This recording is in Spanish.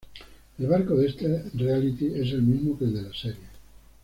El barco de este reality es el mismo que el de la serie.